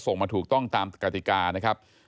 มาถูกต้องตามกติกานะครับ